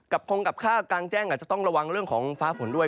คงกับข้าวกลางแจ้งอาจจะต้องระวังเรื่องของฟ้าฝนด้วย